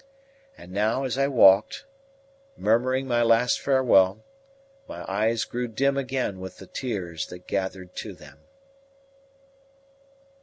And now as I walked, murmuring my last farewell, my eyes grew dim again with the tears that gathered to them.